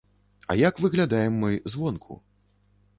А як выглядаем мы звонку?